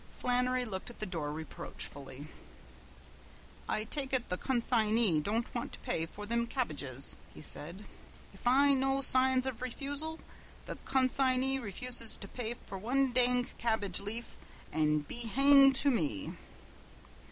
Flannery looked at the door reproachfully. "I take ut the con sign y don't want to pay for thim kebbages," he said. "If I know signs of refusal, the con sign y refuses to pay for wan dang kebbage leaf an' be hanged to me!"